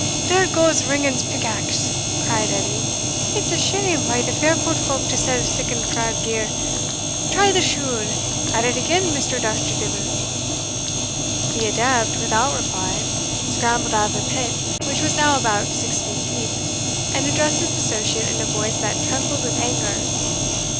there goes Ringan's pick axe!" cried Edie "it's a shame o' the Fairport folk to sell siccan frail gear. Try the shule at it again, Mr. Dusterdeevil." The adept, without reply, scrambled out of the pit, which was now about six feet deep, and addressed his associate in a voice that trembled with anger.